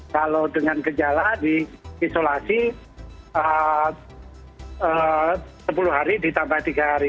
kalau dengan gejala di isolasi sepuluh hari ditambah tiga hari